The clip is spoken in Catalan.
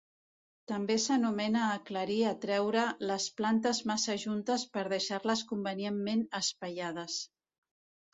També s'anomena aclarir a treure les plantes massa juntes per deixar-les convenientment espaiades.